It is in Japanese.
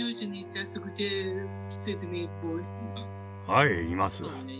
はいいます。